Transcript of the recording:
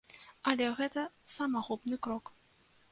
Але гэта самагубны крок.